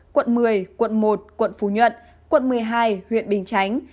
quận một mươi quận một quận phú nhuận quận một mươi hai huyện bình chánh